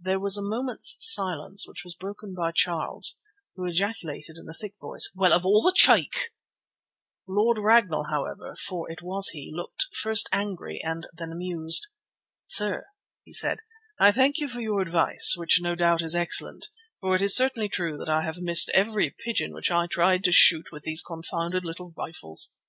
There was a moment's silence, which was broken by Charles, who ejaculated in a thick voice: "Well, of all the cheek!" Lord Ragnall, however, for it was he, looked first angry and then amused. "Sir," he said, "I thank you for your advice, which no doubt is excellent, for it is certainly true that I have missed every pigeon which I tried to shoot with these confounded little rifles.